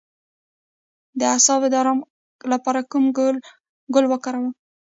د اعصابو د ارام لپاره کوم ګل وکاروم؟